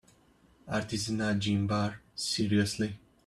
Artisanal gin bar, seriously?!